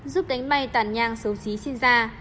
giúp đánh bay tàn nhang xấu xí trên da